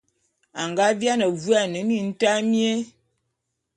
A nga viane vuane mintaé mié.